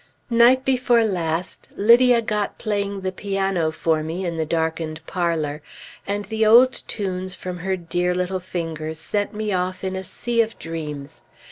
Night before last Lydia got playing the piano for me in the darkened parlor, and the old tunes from her dear little fingers sent me off in a sea of dreams.